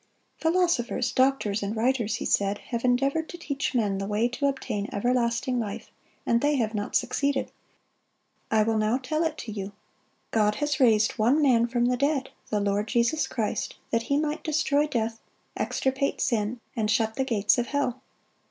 "Philosophers, doctors, and writers," he said, "have endeavored to teach men the way to obtain everlasting life, and they have not succeeded. I will now tell it to you.... God has raised one Man from the dead, the Lord Jesus Christ, that He might destroy death, extirpate sin, and shut the gates of hell.